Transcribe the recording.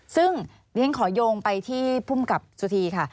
ซึ่งนี่ขอยงไปที่ผู้มกับสุธีค่ะ